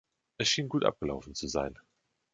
Es schien gut abgelaufen zu sein.